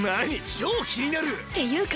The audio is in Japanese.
超気になるっていうか